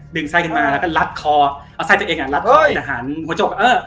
ไส้ขึ้นมาแล้วก็รัดคอเอาไส้ตัวเองอ่ะรัดเอ้ยแต่หันหัวโจกเออ